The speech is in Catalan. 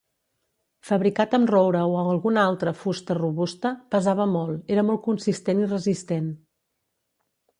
Fabricat amb roure o alguna altra fusta robusta, pesava molt, era molt consistent i resistent.